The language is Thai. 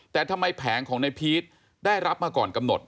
แต่ทำไมแผงของในพีชได้รับมาก่อนกำหนด